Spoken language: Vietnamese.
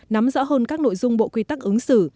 nắm rõ hơn các nội dung bộ quy tắc ứng xử